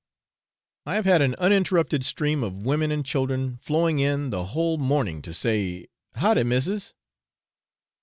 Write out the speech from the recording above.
I have had an uninterrupted stream of women and children flowing in the whole morning to say, 'Ha de missis!'